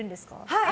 はい！